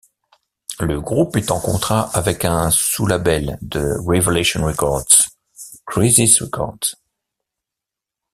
Le groupe est en contrat avec un sous-label de Revelation Records, Crisis Records.